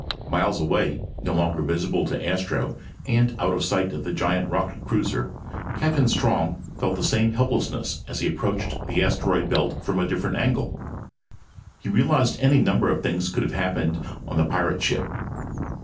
Miles away, no longer visible to Astro and out of sight of the giant rocket cruiser, Captain Strong felt the same helplessness as he approached the asteroid belt from a different angle. He realized any number of things could have happened on the pirate ship.